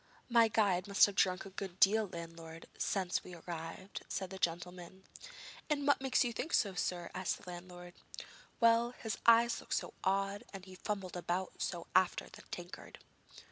'My guide must have drunk a good deal, landlord, since we arrived,' then said the gentleman. 'And what makes you think so, sir?' asked the landlord. 'Well, his eyes look so odd, and he fumbled about so after the tankard.'